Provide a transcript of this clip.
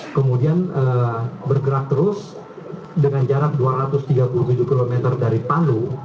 kemudian bergerak terus dengan jarak dua ratus tiga puluh tujuh km dari palu